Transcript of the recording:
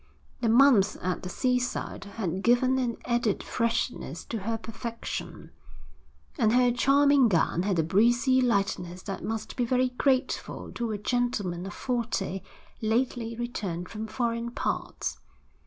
The month at the seaside had given an added freshness to her perfection, and her charming gown had a breezy lightness that must be very grateful to a gentleman of forty lately returned from foreign parts.